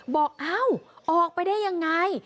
เอ้าออกไปได้ยังไง